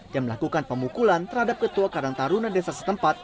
dan melakukan pemukulan terhadap ketua karantaruna desa setempat